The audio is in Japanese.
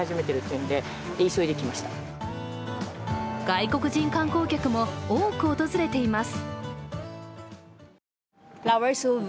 外国人観光客も多く訪れています。